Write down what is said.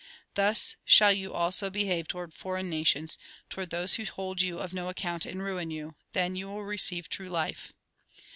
Thus shall you also behave towards foreign nations, towards those who hold you of no account and ruin you. Then yon will receive true life."